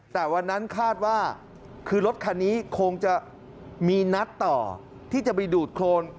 แต่วันนั้นคาดว่าคือรถคันนี้คงจะมีนัดต่อที่จะไปดูดโครน